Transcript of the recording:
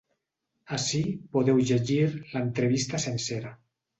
Ací podeu llegir l’entrevista sencera.